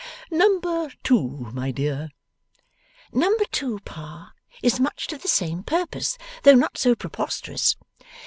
Number two, my dear?' 'Number two, Pa, is much to the same purpose, though not so preposterous.